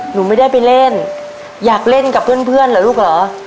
หนูไม่ได้ไปเล่นอยากเล่นกับเพื่อนเหรอลูกเหรอ